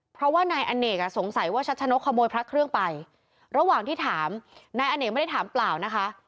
เพราะว่านายอเนกอ่ะสงสัยว่าชัชนกขโมยพระเครื่องไประหว่างที่ถามนายอเนกไม่ได้ถามเปล่านะคะ